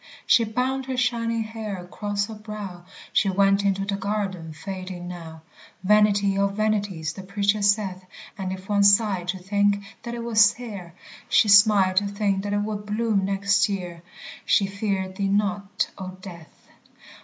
She bound her shining hair across her brow, She went into the garden fading now; Vanity of vanities the Preacher saith And if one sighed to think that it was sere, She smiled to think that it would bloom next year! She feared thee not, O Death.